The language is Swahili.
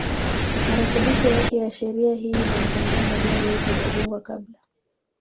Marekebisho yake ya sheria hii inayatambua majengo yote yaliyojengwa kabla